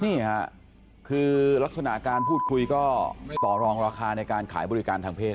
นี่ค่ะคือลักษณะการพูดคุยก็ต่อรองราคาในการขายบริการทางเพศ